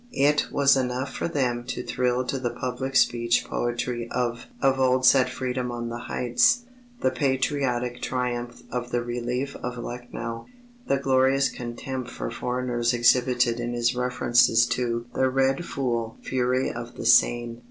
It was enough for them to thrill to the public speech poetry of Of old sat Freedom on the Heights, the patriotic triumph of The Relief of Lucknow, the glorious contempt for foreigners exhibited in his references to "the red fool fury of the Seine."